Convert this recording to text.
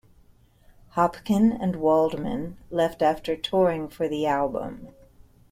Hopkin and Waldman left after touring for the album.